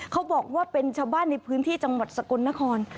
เขาบอกว่าเป็นชาวบ้านในพื้นที่จังหวัดสกลนคร